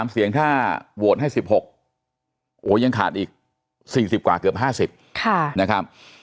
๓เสียงถ้าโหวตให้๑๖โอ้ยังขาดอีก๔๐กว่าเกือบ๕๐นะครับ